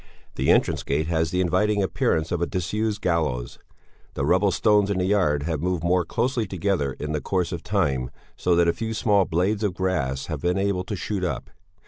The entrance gate has the inviting appearance of a disused gallows. The rubble stones in the yard have moved more closely together in the course of time, so that a few small blades of grass have been able to shoot up.